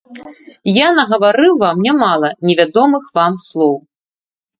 Я нагаварыў вам нямала невядомых вам слоў.